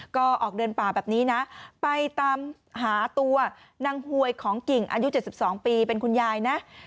ก็ออกเดินป่าแบบนี้นะไปตามหาตัวนางหวยของกิ่งอายุ๗๒ปีเป็นคุณยายนะ